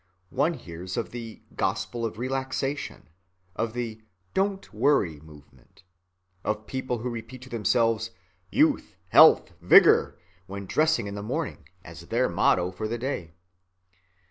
One hears of the "Gospel of Relaxation," of the "Don't Worry Movement," of people who repeat to themselves, "Youth, health, vigor!" when dressing in the morning, as their motto for the day.